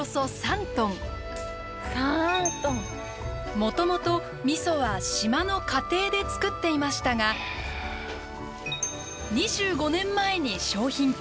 もともとみそは島の家庭で造っていましたが２５年前に商品化。